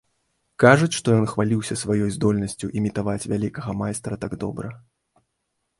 Кажуць, што ён хваліўся сваёй здольнасцю імітаваць вялікага майстра так добра.